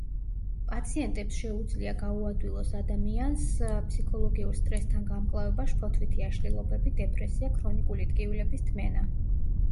პაციენტებს შეუძლია გაუადვილოს ადამიანს ფსიქოლოგიურ სტრესთან გამკლავება, შფოთვითი აშლილობები, დეპრესია, ქრონიკული ტკივილების თმენა.